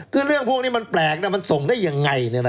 คือเรื่องพวกนี้มันแปลกมันส่งได้ยังไงผมก็ไม่เข้าใจ